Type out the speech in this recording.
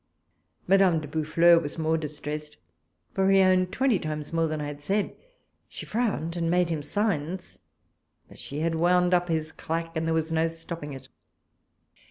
Madame de Boufflers was more distressed, for he owned WALPOLE S LETTERS. 121 twenty times more than I had said : she frowned, and made him signs ; but she had wound up his clack, and there was no stopping it.